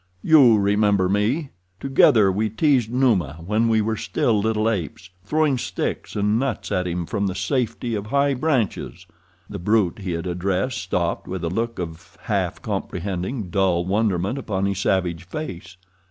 "You remember me. Together we teased Numa when we were still little apes, throwing sticks and nuts at him from the safety of high branches." The brute he had addressed stopped with a look of half comprehending, dull wonderment upon his savage face.